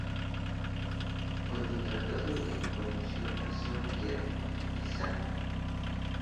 Cuando trató de huir, conoció a Song Yeon y San.